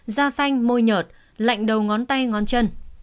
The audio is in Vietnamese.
da xanh môi lạnh đầu ngón tay ngón chân